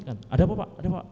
ada apa pak